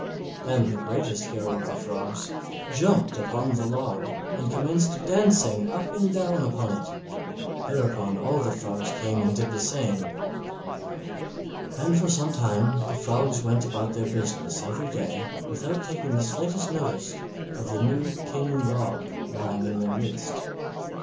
Then the greatest hero of the Frogs jumped upon the Log and commenced dancing up and down upon it, thereupon all the Frogs came and did the same; and for sometime the Frogs went about their business every day without taking the slightest notice of the new King Log lying in their midst.